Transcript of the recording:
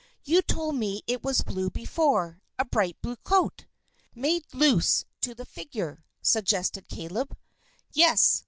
You told me it was blue before. A bright blue coat " "Made loose to the figure," suggested Caleb. "Yes!